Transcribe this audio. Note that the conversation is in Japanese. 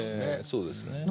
ええそうですね。